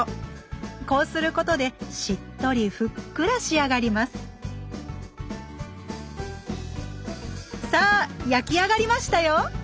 こうすることでしっとりふっくら仕上がりますさあ焼き上がりましたよ！